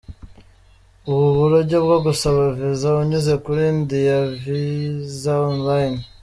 Ubu buryo bwo gusaba visa unyuze kuri indianvisaonline.